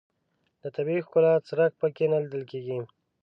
د طبیعي ښکلا څرک په کې نه لیدل کېږي.